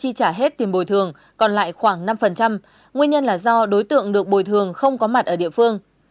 chi trả hết tiền bồi thường còn lại khoảng năm nguyên nhân là do đối tượng được bồi thường không có mặt ở địa phương